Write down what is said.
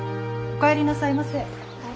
お帰りなさいませ。